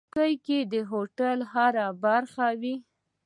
چوکۍ د هوټل هره برخه کې وي.